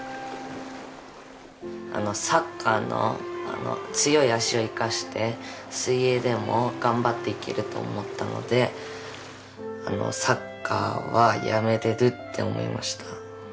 サッカーの強い足を生かして水泳でも頑張っていけると思ったのでサッカーはやめられるって思いました。